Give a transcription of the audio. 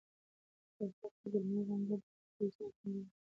په افق کې د لمر وړانګو د راوتلو هېڅ نښه نه لیدل کېده.